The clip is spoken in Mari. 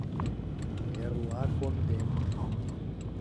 — Э-эр-ла к-кон-дем...